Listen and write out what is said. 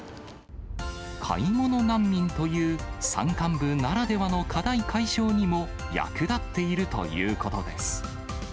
買い物難民という、山間部ならではの課題解消にも役立っているということです。